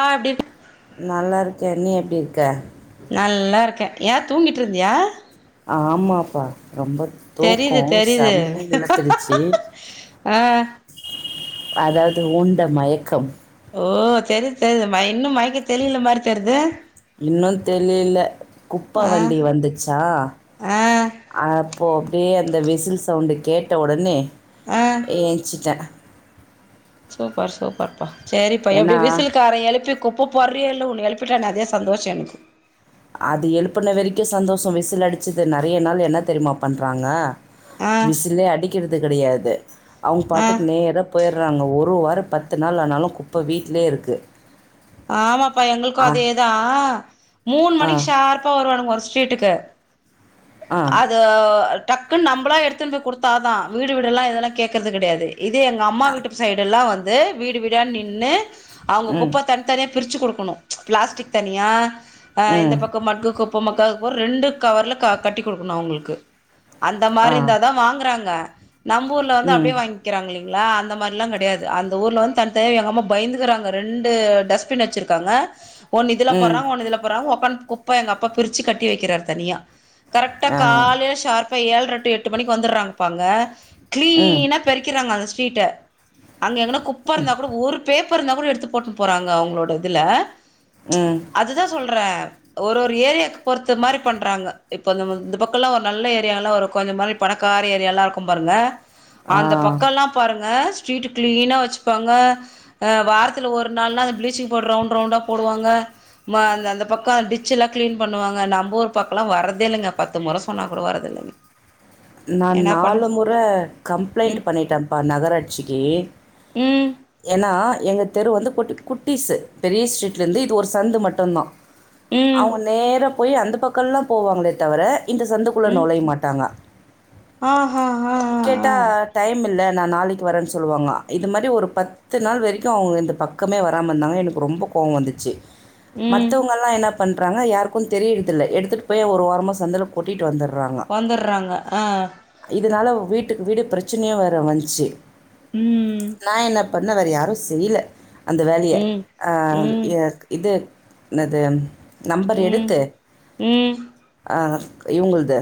ஆ எப்டி நல்லா இருக்கேன் நீங்க எப்படி இருக்க நல்லா இருக்கேன் ஏன் தூங்கிட்டு இருந்தியா ஆமாப்பா ரொம்ப தெரியுது தூக்கம் தெரியுது செம்மைய இலுத்துடுச்சு ஆ அதாவது உண்ட மயக்கம் ஓ....... தெரிது தெரிது மை இன்னும் மை இன்னும் தெளில குப்ப ஆ வண்டி வந்துச்சா ஆ அப்போ அப்டியே இந் இந்த விசில் சவுண்டு கேட்ட உடனே... ஆ ஏன்ச்சிட்டா. சூப்பர் சூப்பர் பா செரிப்பா எப்டி ஏன்னா விசில்காரன் எழுப்பி குப்ப போறியா இல்ல உனக். எழுப்பிட்டாலா அதே சந்தோஷ எனக்கு அது எழுப்புன வரைக்கு சந்தோஷம் விசில் அடிச்சிது நறைய நாள் என்ன தெரியுமா பண்றாங்க? ஆ விசிலே அடிக்கிறது. இது கிடையாது. அவங்க ஆ பாட்டுக் நேரா போய்றாங்க ஒரு வாட். தம் பத்து நாள் ஆனாலும் குப்ப வீட்லயே இருக்கு. ஆமாப்பா எங்களுக்கும் அதேதா. மூண் ஆ மணிக் ஷார்ப்பா வருவானுங். மோர் ஸ்டிட்டுக்கு ஆ அதோவ் ல் டக்குன் நம்பளா எடுத்துன் போய் குடுத்தாதான் வீடு வீடல்லம் இதல்லாம் கேக்கறது கிடையாது. இத எங்க அம்மா வீட்டு சைடு எல்லா வந் து வீடு வீட நின்னு அவங்க ம் குப்பத்தன் பிரிச்சி குடுக்கணும் பிளாஸ்டிக் தனியா அஹ இந்த ம் பக்கம் மட்டு குப்ப மக்கவ் ஒர் ரெண்டு கவர்ல க கட்டி கொடுக்கணு அவங்களுக்கு அந்த ஆ மாரி இந்தா தா வாங்கறாங்க. நம்ப் ஊருல வந்து ம் அப்டியே வாங்கிறாங்களே லா அந்த மாரிலா கிடையாது அந்த ஊர்ல வந்து தன் த எங்க அம்மா பய்ந்துகறாங்க ரெண்டு டஸ்ட். பின் வச்சிருக்காங்க. ஒன்னு இதுல ம் போறா ஒன்னு இதுல போறா ஓப்பன். குப்ப எங்க அப்பா பிரிச்சி கட்டி வைக்கிறார் தனியா கரெக்டா ஆ காலைல ஷார்ப் இப்ப ஏழ்ரை டு எட்டு மணிக் வந்துறாங்கப்பா அங்க. ம் கிளீன்னா பெறிக்கிறாங்க அந்த ஸ்கூ சீட்டே அங்க எங்கனா குப்பா ம் இருந்தா கூட ஒரு பேப் இப்பொரு நபர் எடுத்து போட்டு போறாங்க அவங்க உங்களோட இதுல ச் ம் அதுதா சொல்றே ஒரு ஒரு ஏரியாக்கு பொறுத்த மாரி பண்றாங்க இப்ப இந்த பக்க எல்லா ஒரு நல்ல ஏரியால்லா ஒரு கொஞ்ச மாரி பணக்கார ஏரியால்லா இருக்கு பாருங்க ஆ அந்த பக்கல்லா பாருங்க ஸ்ட்ரீட் கிளீனா வச்சுப்பாங்க அ வாரத்துல ஒரு நாள்னா அந்த பிளீச்சிங் ரவுண்டவுண்டா போடுவாங்க ம அ அந்த பக்க டிச்சல்லா கிளீன் பண்ணுவாங்க நம்ம ஒரு பக்கல்லா வர்றத இல்லங்க பத்து மொற சொன்னா கூட வரத இல்லங்க நா நாலு முற கம்பளைண்ட் ம் பண்ணிட்டேன்ப்பா நகராட்சிக்கு ம் ஏன்னா எங்க தெரு வந்து குட்டி குட்டிஸ் பெரிய ஸ்ட்ரீட்ல இருந்து இது ஒரு சந்து மட்டுந்தா ம் அவுங் நேர போய் அந்த பக்கல்லா போவாங்களே தவர இந்த சந்துக்குள்ள ம் நொலைய மாட்டாங்க ஆ ஆஹ ஆ ஆ ஆ நா நாளைக்கு வரன் சொல்லுவாங்க இது மாதிரி ஒரு பத்து நாள் வரைக்கு அவங்க இந்த பக்கமே வராம இருந்தாங்க எனக்கு ரொம்ப கோவோ வந்துச்சு ம் மத்தவங்கல்லா என்ன பண்றாங்க யாருக்கு தெரியறுதில்ல எடுத்துட்டு போய் ஒரு வோரமா சந்துல கொட்டிட் ட்டு வந்தர்றாங்க வந்துர்றாங்க ஆ வ்ள வீட்டுக்கு வீடு பிரச்சனய வெர வந்துச்சு ம் நா என்ன பண்ணவறு யாரு செய்ல அந்த வேலய ம் அ ம் எ அ இது ன்னது நம்பர ம் எடுத்து ம் அ இவுங்குல்ளுது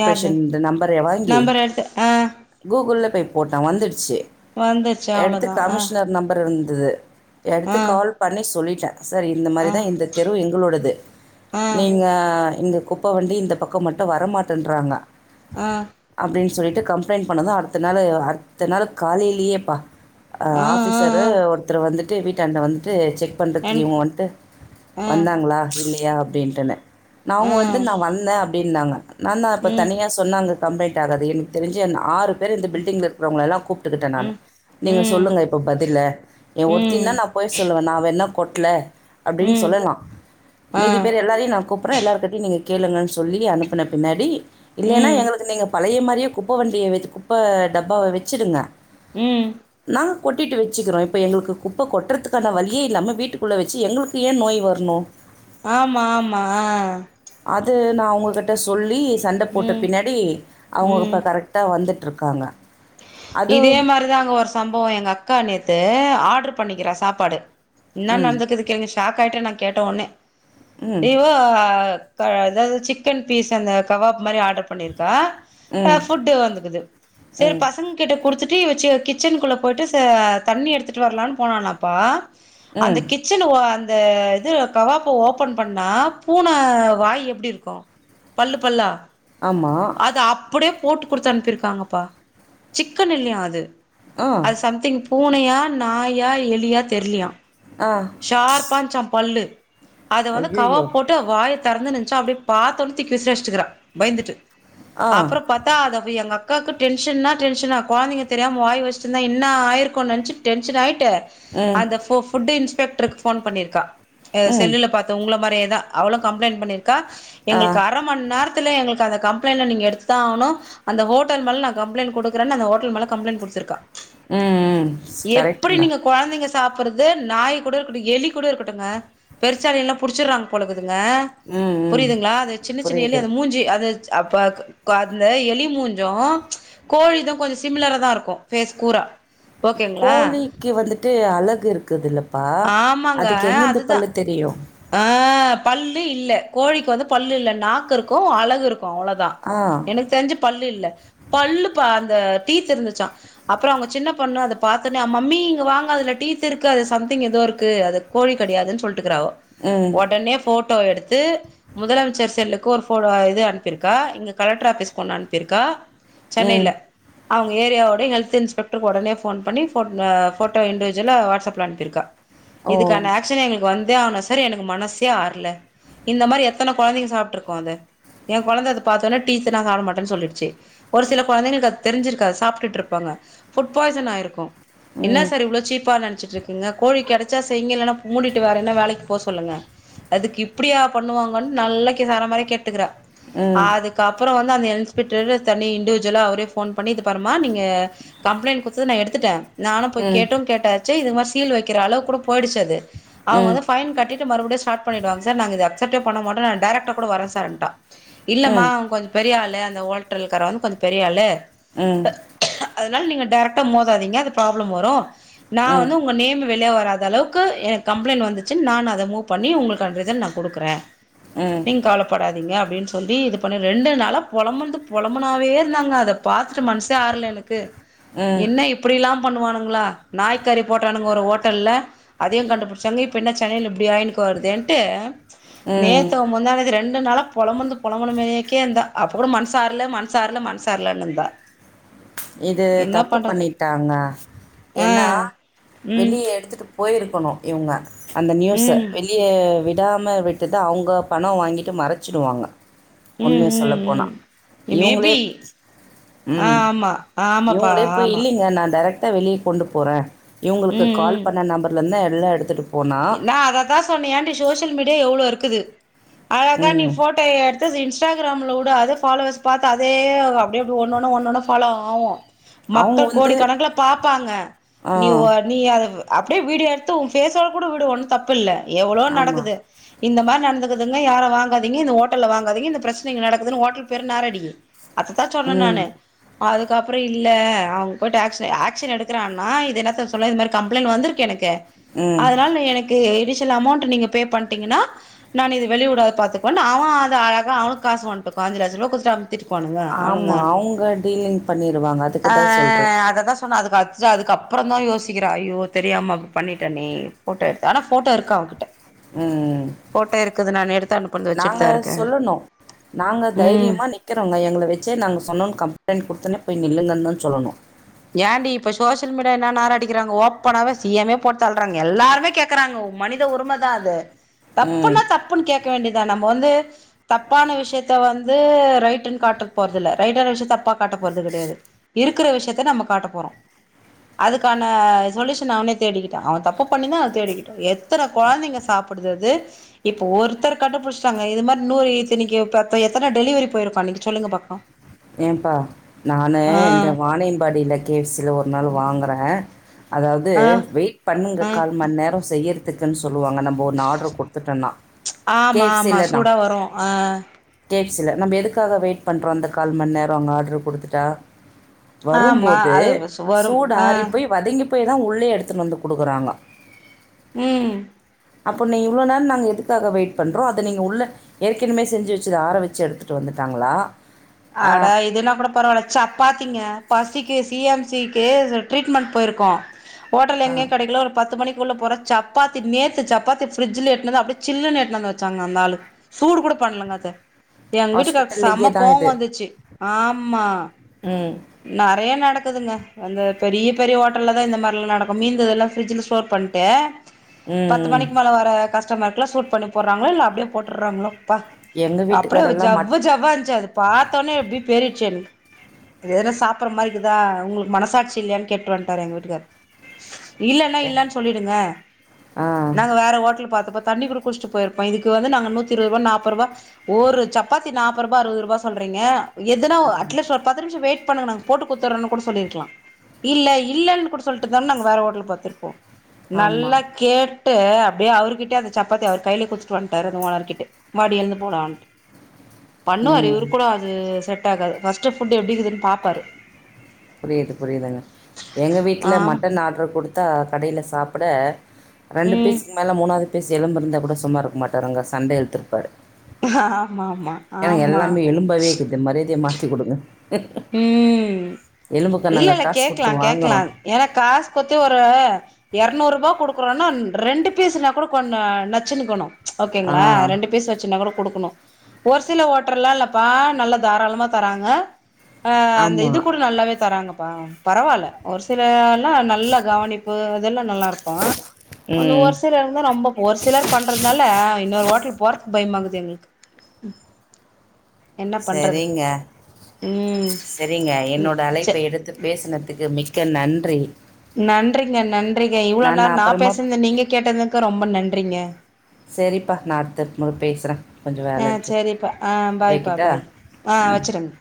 யார்து இந்த நம்பர வாங்கி நம்பர் எடுத்து ஆ கூகுள போய் போட்ட வந்துடுச்சு வந்துருச்சு எடுத்து அவ்ளோதா கமிஷனர் ஆ நம்பர் இருந்து இது ஆ எடுத்து கால் பண்ணி சொல்லி சரி இந்த மாரி தா இந்த ஆ தெருவு எங்களோடது ஆ நீங்க இங்க குப்பவண்டி இந்த பக்க மட்டு வரமாட் தின்றாங்க ஆ அப்படின்னு சொல்லி கம்ப்ளைண்ட் பண்ணதும் அடுத்த நாள்-அடுத்த நாள் காலயிலயேபா அஹ ஆ ஆ ஆபிசரு ஆ ஒருத்தர் வந்துட்டு ட்டு வீடாண்ட வந்துடு செக் பண்றதுக்கு என் இவங்க வந்து ஆ வந்தாங்களா இல்லை யா அப்படின்ட்டுனே நா ஆ வந்து நா வந்த அப்டினாங்க நான் தான் இப்போ ம் தனியா சொன்னாங்க கம்ப்ளைன்ட் ஆகாது எனக்கு தெரிஞ்சு என் ஆறு இந்த பில்டிங்ல இருக்கிறவங்கள எல்லாம் கூப்பிட்டுக்கிட்டேன் நான் ம் நீங்க ம் சொல்லுங்க இப்ப பதில்ல என் ஒருத்தி நா ம் நான் போய் சொல்லுவேன் நான் வேணா கொட்ல அப்டினு ம் சொல்லாம் ஆ மீதி பேர் எல்லாரையும் நா கூப்பறேன் எல்லார் கிட்டயும் நீங்க கேளுங்கன்னு சொல்லி அனுப்புனேன் பின்னாடி இல்லனா ம் எங்களுக்கு நீங்க பழைய மாதிரியே குப்பை வண்டியை வை குப்பை டப்பாவை வச்சுடுங்க உம் கொட்டிகிட்டு வச்சுக்கிறோம் இப்போ எங்களுக்கு குப்பை கொட்டுறதுக்கான வழியே இல்லாமல் வீட்டுக்குள்ளே வச்சு எங்களுக்கு ஏன் நோய் வரணும் ஆமா-ஆமா ஆஹ் அது நா அவங்ககிட்ட சொல்லி சண்டை போட்ட ம் பின்னாடி ம் அவங்க கரெக்டா வந்துட்டு இருக்காங்க இதே மாதிரிதான்ங்க ஒரு சம்பவம் எங்க அக்கா அ நேத்து ஆர்டரு பண்ணிகிற சாப்பாடு இன்ன ம் நடந்திருகுனு கேளுங்க சாக் கயிட்ட நான் கேட்ட உடனே ம் இவ அதாவது சிக்கன் பீஸ் அந்த கபாப் மாரி ஆடர் பண்ணியிரு பா ம் புட்டு வந்துக்குது செரி ம் பசங்க கிட்ட கொடுத்துட்டு வச்சு கிச்சனுகுள்ள போயிட்டு தண்ணி எடுத்துட்டு வரலானு போனாலாம்பா அந்த ம் கிச்சன் ஒரு அ இது கவாப ஓபன் பண்ணா பூனை வாய் எப்டி இருக்கும் பல்லு பல்லா ஆமாம் அது அப்டியே போட்டு குடுத்து அனுப்பிருகாங்கபா சிக்கன் இல்லைய அது ஆ அது சம்திங் பூனையா நாயா எலியா தெர்லியா ஆ ஷார்பாஞ்சா பல்லு அத வந்து ஐயோ கவபோட்டு வாய் திறந்து நிச்ச அப்டி பாத்தோனு பயந்து தூக்கி விசிசிக்கிறா பயந்துட்டு ஆ அப்ற பத்தா அத அப்டி எல்லா அக்காகு டென்ஷனா டென்ஷனா கொழதிங்க தெரியாமவாய் வச்சுட்டுந்தா என்னா ஆயிருகுநென்ச்சி டென்ஷாகிட் ட்டு ம் அந்த ஃபு ஃபுட் இன்ஸ் டருக் ஃபோன் பண்ணிருகா எ ம் செல்லுல பாத்த உங்களு உங்கள மாரியேதா அவளு கம்ளைண் பண்ணிருக் கா ஆ எங்களுக் அரமன்நேர த்துல எங்களுக்கு அந்த கம்ளைண்ட்ன்ல நீங்க எடுத்துதா ஆகனு அந்த ஹோட்டல் மேல நா கம்ளைண்ட் கொடுக்குறே அந்தஹோட்டல் மேல கம்ளைண்ட் கொடுத்துருக்கா ம் ம் எப்புடி கரெக்ட்டுங்க நீங்க கொழந்தங்க சாப்பறது நாய்க் கூட இருக்கடும் எலி கூட இருக்கடுங்க பெருச்சாலி எல்லா புடிச்சறாங்க போலகுது ங்க ம் ம் புரிதுங்ளா அது சின்ன சின்ன எலி புரியுது மூஞ்சி அது அப்பப் அப்பந்த எலி மூஞ்சும் கோழிதும் கொஞ்சம் சிமிலரா தா இருக்கு பேஸ் கூரா ஓகேங்களா கோழிக்கு வந்துட்டு அழ கு இருக்குதுல்ல ஆமங்க அதுதா தெரியு ஆ பல்லு இல்ல கோழிக்கு வந்து பல்லு இல்ல நாக்கு இருக்கு அழகு இருக் அவ்ளதா ஆ எனக்கு தெரிஞ்சு பல்லு இல்ல பல்லு பா அதுல டீத்ருந்துசா அப்ற அவங்க சின்ன பொண்ணு அத பாத்துனு மம்மி இங்க வாங்க அதுல டீத்துருக்கு சாப் மிக்சிங் ஏதோ இருக்கு அது கோழி கெடையாது சொல் ட்டுருக்கிறாவோ ம் உடனே போ போட்டோ எடுத்து முதலமைச்சர் செல்லுக்கு ஒரு போ இது அனுப்பிருக்கா இங்க கலெக்டர் ஆபீஸ்க்கு ஒன்னு அனுப்பிருக்கா ம் சென்னையில அவுங்க ஏரியாவோட ஹல்த் இன்ஸ்பெக்ட்ருக்கு உடனே ஃபோன் பண்ணி போட்டோ இன்டிவிஜுவல்லா வாட்ஸ் ஆப்ல அனுப்பிருக்கா ஓ இதுக்கான ஆக்ஷன எங்களுக்கு வந் தே ஆனும் சார் எனக்கு மனசே ஆர்ல இந்த மாரி எத்தன கொழந்தைங்க சாப்ட்ருக்கு அது என் கொழந்த அத பாத்தோன டீத்து நா சாப்ட மாட்டேன்னு சொல்லிச்சி ஒரு சில கொழந்தங்களுக்கு அது தெரிஞ்சிருக்காது சாப்ட்டுட்டு இருப்பாங்க புட் பாய்சன் ஆயிருக்கு என்னா ம் சார் இவ்லோச்சீப்பா ச்சுட்ருக்கீங்க கோழி கெடச்சா செய்ங்க இல்லனா மூடிட்டு வேறென்னா வேலைக்கு போ சொல்லுங்க அதுக்கு இப்டியா பண்ணுவாங்கன்னு நல்ல கேஹார மாரி கேட்னுக்குற ம் ஆதுக்காப்புறோ வந் தா அந்த இன்ஸ்பெக்டரு தனி இண்டிவிஜுவலா அவரே ஃபோன் பண்ணி இத பாருமா நீங் க கம்ப்ளைண்ட் குடுத்தத நா எடுத் த்துடே நானு ம் போய்கேட்டு கேட்டாச்சி இது மாரி சோ சீல் வக்கிற அளவுக்கு கூட போயிடுச்சு அது ம் அவுங்க ம் வந்து ஃபைன் கட்டிட்டு மறுபடியு ஸ்டாட் பண்ணிடுவாங்க சார் நாங்க இத அப் சட்ட பண்ணமாட்டோ நா டைரக்டா கூட வரே சேருன்டா இல்லமா ம் அவுங்க கொஞ்சோ பெரிய ஆள் ஏ அந்த ஓட்டல்க்காரே வந்து கொஞ்சோ பெரியாளு ம் அதனால நீங்க டேரக்டா மோதாதீங்க அது ப்ராப்ளம் வரு நா ம் வந்து வெளிய வராத அளவுக்கு எனக்கு கம்ப்ளைண்ட் வந்துச்சுனு நானு அத மூ பண்ணி உங்களுக்கு அந்த இத நா குடுக்குறே ம் நீங்க கவலப்படாதீங்க அப்டினு சொல்லி இது பண்ணி ரெண்டு நாளா பொழம்பன்ந்து பொழமனாவே இருந்தாங்க அத பாத்துட்டு மனசே ஆரல எனக்கு என்ன இப்டிலா பண்ணுவானுங்களா நாய்க்காறி போட்டானுங்க ஒரு ஓட்டல்ல அதையு கண்டுபிடிச்சாங்க இப்ப என்ன சென்னைல இப்டி ஆய்னுகுனு வருதேன்ட்டு ம் நேத்து ம். முந்தாநேத்து ரெண்டு நாளா பொழம்பன்து பொழம்புனமேக்கேந்தா அப்ப கூட மன்சாரல மன்சாரல மன்சார்லனுந்தா இது தப்பு பண்ணிட்டாங்க ஆ என்னா ம் வெளிய எடுத்துட்டு பொய்ருக்கணு இவ்ங்க அந்த நியூஸ ம் வெளிய விட் விடாம விட்டுத்தா அவுங்க பணோ வாங்கிட்டு மறச்சிடுவாங்க உ உ உ இவுங்களே மேபி ஆ ம். ஆமா ஆமாப்பா இவுங்களே போய் ஆமா இல்லிங்க நா டைரக்டா வெளிய கொண்டு போறே இவங்களுக்கு கால் பண்ண நம்பர்லந்துதா எடு எல்லா எடுத்துட்டு போனா, என்ன அதத்தான் சொன்னேன் ஏண்டி சோஷியல் மீடியா எவ்ளோ இருக்குது அழகா நீ ம். போட்டோ எடுத்து இன்ஸ்டாகிராம்ல உட் அதே ஃபாலோவர்ஸ் பார்த்து அதே அப்படிஅப்படி ஒன்னொன்னும் ஒன்னென்னு ஃபாலோ ஆகும் அவுங்க மக்கள் கோடி வந்து கணக்குல பாபப்பாங்க ஆ. நீ ஒ நீ அது அப்படியே வீடியோ எடுத்து உன் பேஸ் கூட வுடு ஒன்னும் தப்பில்லை எவ்ளோ ஆமா. நடக்குது இந்த மாரி நடந்துக்குதுங்க யாரும் வாங்காதிங்க இந்த ஓட்டல்ல வாங்காதீங்க இந்த பிரச்சனை இங்க நடக்குதுன்னு ஓட்டல் பேர நாறடிங்க அததான் சொல்றன் ம். நானு அதுக் அதுக்கப்புறம் இல்ல அவுங்க போய்ட்டு ஆக்க்ஷன் ஆக்க்ஷன் எடுக்கிறான்னா இது என்னத்த சொல்ல இந்த மாரி கம்ப்ளைண்ட் வந்திருக்கு எனக்கு ம். அதனால நீ எனக்கு எடி சில அமௌண்ட் நீங்க பே பண்டீங்கன்னா நான்னு வெளிய விடாதுத பாத்துக்குவேன் அவன் அழகா அவனுக்கு காசு வாங்கிட்டு பாஞ்சுலெச்ச ரூவா ஆமா அவுங்க டீலிங் பண்ணிருவாங்க அதுக்குதான் சொல்றேன் ஹஅத அழுச்ட்டு அதுக்கப்புறம் தான் யோசிக்கிறேன் ஐயோ தெரியாம அப்படி பண்ணிட்டேனே ஃபோட்டோ எடுத்தேன் ஆனா ஃபோட்டோ இருக்கு அவங்கிட்ட ம்ம் க்குது நானே எடுத் நாங்க சொல்லணும் நாங்க ம் தைரியமா நிக்கிறோங்க எங்களை வச்சே நாங்க சொன்னனு கம்ப கம்பளைண்ட் கொடுத்தவுடனே போய் நில்லுங்கன்னு தான் சொல்லணும் ஏண்டி இப்ப சோஷியல் மீடியா என்ன நாற அடிக்கிறாங்க ஓப்பனாவே சிஎம்மே போட் தள்றாங்க எல்லாருமே கேக்குறாங்க மனித உரிம தான் அது ம். தப்புனா தப்புன்னு கேட்க வேண்டியது நம்ம வந்து தப்பான விஷயத்த வந்து ரைடன்னு காட்ட போறது இல்ல ரைட்டான விஷயத்த தப்பா காட்ட போறது கெடையாது இருக் இருக்குற விசியத்த நம்ம காட்ட போறோம் அதுக்கான சொல்யுஷன் அவனே தேடிக்கிட்டான் அவன் தப்பு பண்ணி தான் அவன் தேடிக்கிட்டான் எத்தன கொழந்தைங்க சாப்டுது அது இப்ப ஒருத்தர் கண்டுபுடிச்ட்டாங்க இது மாரி இன்னொரு இத்தனைக்கும் இப்ப இப்ப எத்தன டெலிவரி போயிருப்பாங்க இன்னிக்கு சொல்லுங்க பாப்போம் ஏன்ப்பா நானு இந்த வாணியம்பாடியில பேசி ஒரு நாள் வாங்குறேன் அதாவது ஆ ஆ வெயிட் பண்ணுங்க ஆ கால் மணி நேரம் செய்யிறது சிக்கன்னு வாங்க நம்ம ஒன்னு ஆர்டர் கொடுத்துட்டோம்னா கே ஆமா ப் சி ஆமா இல்லனா சூடா வரு ஆ கேக் சல்ல நம்ம எதுக்காக வெயிட் பண்றோம் அந்த கால் மணிநேரம் அங்க ஆர்ட்ரு கொடுத்துட்டா ஆமா வரும்போது அது சு வரும் சூடு ஆ ஆறிப்போயி வதங்கிப் போய் போய் தான் உள்ளே எடுத்துகிட்டு வந்து கொடுக்குறாங்க உம் அப்பொ நீ இவ்ளோ நேர நாங்க எதுக்காக வெயிட் பண்றோ அத நீங்க உள்ள ஏற்கனவே செஞ்சு வச்சுத ஆற வச்சு எடுத்துட்டு வந்துட்டாங்களா அட இதுன்னா கூட பரவால்ல சப் பாத்திங்க பசிக்கு சி எம் சி க்கு ட்ரீட்மெண்ட் போயிருக்கோ ஹோட்டல் எங்யு கெடைக்கல ஒரு பத்து மணி உள்ள போற சப்பாத்தி நேத்து சப்பாத்தி ஃபிரிட்ஜுல எட்னது அப்டியே சில்லுனு எட்த்துனு வச்சாங்க அந்த ஆளு சூடு கூட பண்லங்க அத எங் வீட்டுக்காருக்கு ஹாஸ்பிட்டல்லையே செம்ம தான் இது கோவந் து ஆமா ம் நறைய நடக் குதுங்க அந்த பெரிய பெரிய ஹோட்டல்ல தா இந்த மாரில்லா நடக்கு மீந்ததெல்லா ஃபிரிட்ஜுல ஸ்டோர் பண்ட்டு பத்து ம் மணிக்கு மேல வர கஸ் டமர்க்ல்லா சூடு பண்ணி போட்றாங்ளொ இல்ல அப்டியெ போட்டுர்றாங்களோ ப்பா எங்கள் அப்புடியோ வீட்டுக்காரெல்லாம் மட் ஜவ்வு ஜவ்வா இருன்ச்சு அது பாத்தோன்னே எப்டி [unintelligible] இது எதுன சாப்புற மாரி இக்குதா உங்களுக்கு மனசாட்சி இல்லையான் கேட்டு வன்ட்டார் எங்க வீட்டுக்கார் இல்லன்னா எ- இல்லன் சொல்லிடுங்க ஆ நாங்க வேற ஹோட்டல் பாத்துப்ப தண்ணி குட குடுச்ட்டு போயிருப்போ இதுக்கு வந்து நாங்க நூத்தி இருவருவா நாப்பருவா ஒரு சப்பாத்தி நாப்பருபா அறுவதுருபா சொல்றீங்க எதுனா ம் அட்லீஸ்ட் ஒர் பத் து நிம்ஷொ வெய்ட் பண்ணுங்க நாங்க போட்டு குடுத்தரோன்னு கூட சொல்லிர்க்லா இல்ல இல்லன் கூட சொல்ட்டுந்தாலு நாங்க வேற ஹோட்டல் பாத்துருப்போ நல்லா ஆமாம் கேட் டு அப்டியே அவர்கிட்ட அந்த சப்பாத்தி அவர் கைல குத்துட்டு வன்ட்டாரு அந்த ஓனர்க்கிட்ட வாடியெழுந்து போலான்ட்டு பண்ணுவாரு ம் இவரு கூட அது செ ட்டாகாது ஃபஸ்ட்டு ஃபுட்டு் எப்டிக்குதுன் பாப்பாரு புரியிது புரியிதுங்க எங்க வீட்ல ஆமா மட்டன் ஆர்டர் குடுத்தா கடைல சாப் புட ரெண்டு ம் பீஸுக்கு மேல மூணாது பீஸ் எலும்பு இருந்தா கூட சும்மா இருக்க மாட்டாருங்க சண்ட இழுத்துருப்பாரு ஆஹ் என்னங்க எல்லாமே எலும்பாவே இக்குது மரியாதயா மா த்தி குடுங்க ம் நாங்கள் இல்லெல்ல காசு கேக்லா கொடுத்து கேக்லா வாங்குறோம் ஏனா காசு குட்த்து ஒரு எர்நூறுபா குடுக்குறோன்னா ரெண்டு பீஸுன்னா கூட கொன்ன நச்சுன்னுக்கணு ஆ ஓகேங்ளா ரெண்டு பீஸ் வச்சுன்னா கூட குடு ஒரு சில ஓட்டலாம் இல்லப்பா நல்ல தாராளமா தராங்க ஆ அந்த ஆமா இது கூட நல்லாவே தராங்க பரவாயில்ல ஒரு சில நல்லா கவனிப்பு நல்லா இருக்கும் ம் ஓர் சிலர் தான் ரொம்ப ஒரு சிலர் பண்றதுனால இன்னொரு ஹோட்டல் போற பயமாகுது எங்களுக்கு என்ன பண்றது செரிங்க உம் செரிங்க என்னோட அழைப்பை எடுத்து பேசினதுக்கு மிக்க நன்றி நன்றிங்க நன்றி இவ்ளோ நேரோம் நான் பேசுனத நீங்க கேட்டது ரொம்ப நன்றிங்க செரிப்பா நான் அடுத்த முறை பேசுறேன் கொஞ்சம் வேல ஆ இருக்கு சரிப்பா ஆ பாய்ப்பா வக்கிட்டா பாய் ஆ உம் வச்சுருங்க